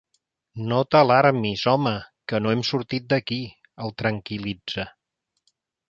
No t'alarmis, home, que no hem sortit d'aquí! —el tranquil·litza.